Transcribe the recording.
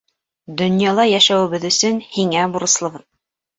Донъяла йәшәүебеҙ өсөн һиңә бурыслыбыҙ.